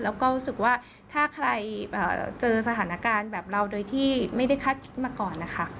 แล้วก็รู้สึกว่าถ้าใครเจอสถานการณ์แบบเราโดยที่ไม่ได้คาดคิดมาก่อนนะคะ